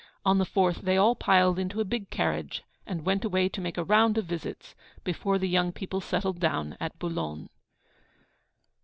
On the fourth they all piled into a big carriage, and went away to make a round of visits, before the young people settled down at Boulogne.